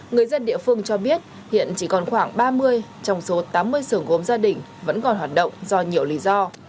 người dân địa phương cho biết hiện chỉ còn khoảng ba mươi trong số tám mươi sưởng gốm gia đình vẫn còn hoạt động do nhiều lý do